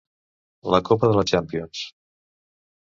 La copa de la Champions.